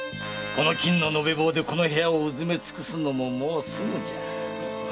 この金の延べ棒でこの部屋を埋めつくすのももうすぐじゃ。